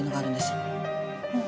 うん。